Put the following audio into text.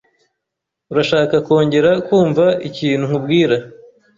Urashaka kongera kumva ikintu nkubwira